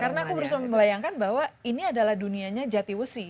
karena aku berusaha melayangkan bahwa ini adalah dunianya jatiwesi